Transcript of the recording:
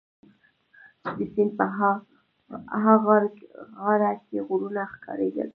د سیند په ها غاړه کي غرونه ښکارېدل.